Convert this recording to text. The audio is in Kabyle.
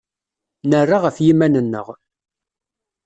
Nerra ɣef yiman-nneɣ.